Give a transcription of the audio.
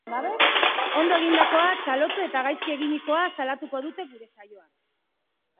Ondo egindakoa txalotu eta gaizki eginikoa salatuko dute gure saioan.